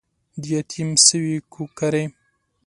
د يتيم سوې کوکارې